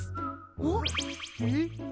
おっ？えっ？